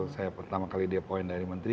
saya pertama kali di appoint dari menteri